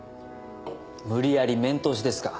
無理やり面通しですか。